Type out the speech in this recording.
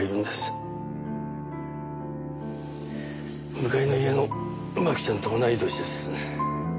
向かいの家の麻紀ちゃんと同い年です。